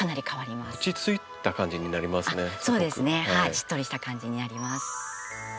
しっとりした感じになります。